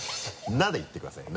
「な」でいってください